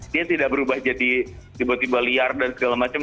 dia tidak berubah jadi tiba tiba liar dan segala macam